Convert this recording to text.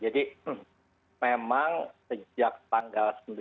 jadi memang sejak tanggal sembilan belas mei dua ribu sembilan belas